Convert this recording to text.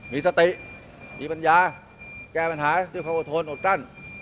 มีสติมีปัญญาแก้ปัญหาที่เขาอดทนอดจันทร์